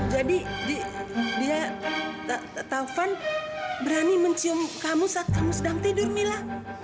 jadi dia taufan berani mencium kamu saat kamu sedang tidur mila